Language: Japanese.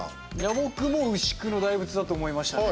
僕も牛久の大仏だと思いましたね。